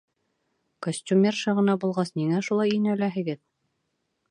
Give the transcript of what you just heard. Костюмерша ғына булғас, ниңә шулай инәләһегеҙ?